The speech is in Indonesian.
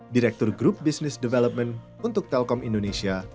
direktur grup bisnis development untuk telkom indonesia